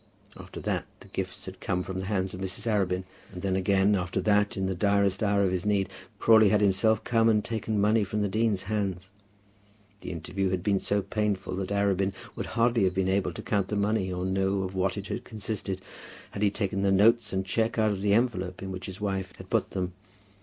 After that the gifts had come from the hands of Mrs. Arabin; and then again, after that, in the direst hour of his need, Crawley had himself come and taken money from the dean's hands! The interview had been so painful that Arabin would hardly have been able to count the money or to know of what it had consisted, had he taken the notes and cheque out of the envelope in which his wife had put them.